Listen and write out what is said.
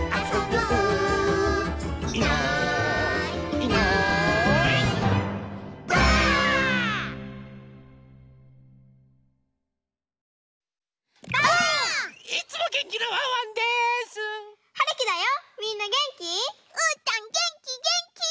うーたんげんきげんき！